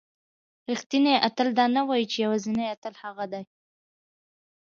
رښتینی اتل دا نه وایي چې یوازینی اتل هغه دی.